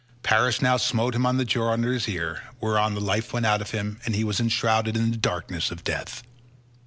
Paris now smote him on the jaw under his ear, whereon the life went out of him and he was enshrouded in the darkness of death.